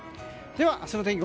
では明日の天気